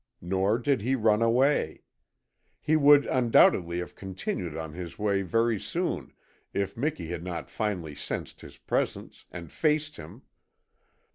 Nor did he run away. He would undoubtedly have continued on his way very soon if Miki had not finally sensed his presence, and faced him.